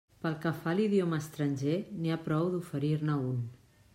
Pel que fa a l'idioma estranger, n'hi ha prou d'oferir-ne un.